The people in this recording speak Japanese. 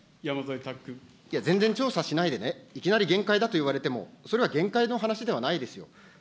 全然調査しないでね、いきなり限界だと言われても、それは限界の話ではないですよ。